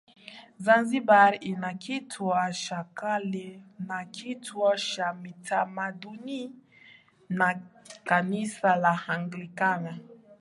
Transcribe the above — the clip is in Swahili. Zanzibar ina Kituo cha Kale na Kituo cha Kitamaduni na Kanisa la Anglikana